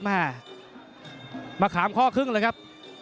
แม่มะขามข้อครึ่งเลยครับ